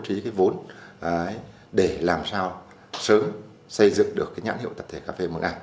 bố trí cái vốn để làm sao sớm xây dựng được nhãn hiệu tập thể cà phê mường ảng